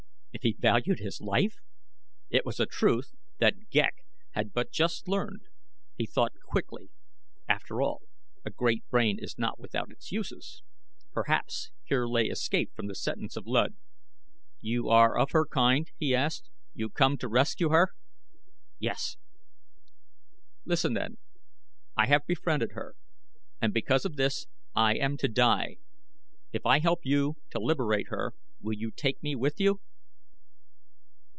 If he valued his life! It was a truth that Ghek had but just learned. He thought quickly. After all, a great brain is not without its uses. Perhaps here lay escape from the sentence of Luud. "You are of her kind?" he asked. "You come to rescue her?" "Yes." "Listen, then. I have befriended her, and because of this I am to die. If I help you to liberate her, will you take me with you?"